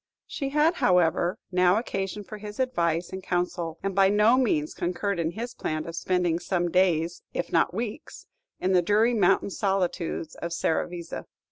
She had, however, now occasion for his advice and counsel, and by no means concurred in his plan of spending some days, if not weeks, in the dreary mountain solitudes of Serravezza.